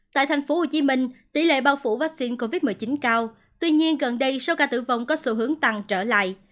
tại thành phố hồ chí minh tỷ lệ bao phủ vaccine covid một mươi chín cao tuy nhiên gần đây sâu ca tử vong có sự hướng tăng trở lại